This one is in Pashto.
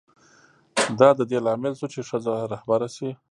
دا د دې لامل شو چې ښځه رهبره شي.